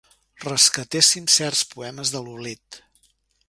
Rescatéssim certs poemes de l'oblit.